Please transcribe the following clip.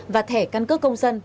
và thẻ căn cước công dân